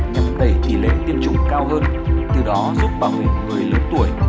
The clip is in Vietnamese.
nhằm đẩy tỷ lệ tiêm chủng cao hơn từ đó giúp bảo vệ người lớn tuổi